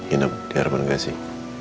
inap di harapan kasih